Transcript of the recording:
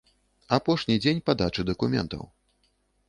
Апошні дзень падачы дакументаў.